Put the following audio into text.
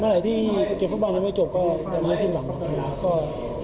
เมื่อไหร่ที่เก็บฟุตบาลถ้าไม่จบก็จะเมาะจิ้นหลัง